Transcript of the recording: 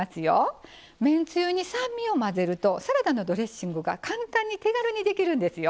めんつゆに酸味を混ぜるとサラダのドレッシングが簡単に手軽にできるんですよ。